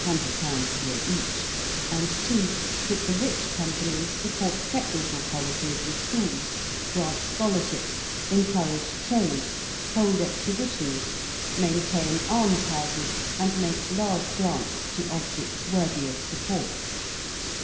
_ a year each: and (2) that the rich Companies support Technical Colleges and Schools, grant scholarships, encourage trade, hold exhibitions, maintain almshouses, and make large grants to objects worthy of support.